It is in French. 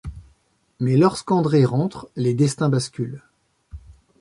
Mais lorsque André rentre, les destins basculent.